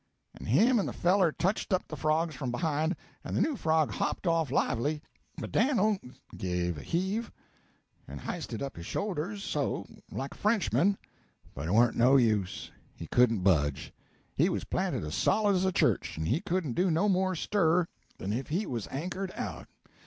and him and the feller touched up the frogs from behind, and the new frog hopped off lively; but Dan'l give a heave, and hysted up his shoulders so like a Frenchman, but it warn't no use he couldn't budge; he was planted as solid as a church, and he couldn't no more stir than if he was anchored out.